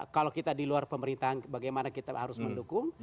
kalau kita di luar pemerintahan bagaimana kita harus mendukung